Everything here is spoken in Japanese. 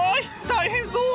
大変そう！